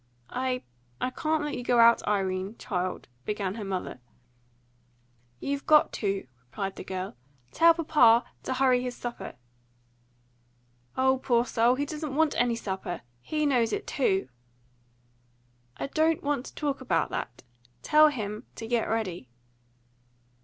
"I I can't let you go out, Irene, child," began her mother. "You've got to," replied the girl. "Tell papa ta hurry his supper." "O poor soul! He doesn't want any supper. HE knows it too." "I don't want to talk about that. Tell him to get ready."